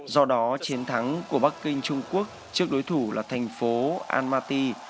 do đó chiến thắng của bắc kinh trung quốc trước đối thủ là thành phố almati